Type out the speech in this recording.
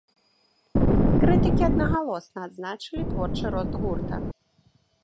Крытыкі аднагалосна адзначылі творчы рост гурта.